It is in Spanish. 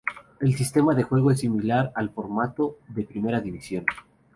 El sistema de juego es similar al formato de Primera División.